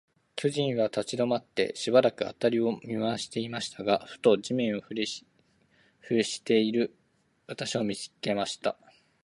巨人は立ちどまって、しばらく、あたりを見まわしていましたが、ふと、地面にひれふしている私を、見つけました。